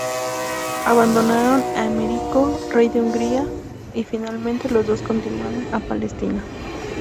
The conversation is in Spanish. Abandonaron a Emerico, rey de Hungría, y finalmente los dos continuaron a Palestina.